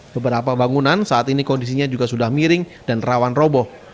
beberapa bangunan saat ini kondisinya juga sudah miring dan rawan roboh